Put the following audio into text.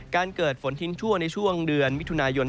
การเกิดฝนทิ้งช่วงในช่วงเดือนวิทยุนายน